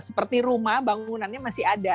seperti rumah bangunannya masih ada